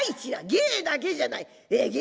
芸だけじゃない。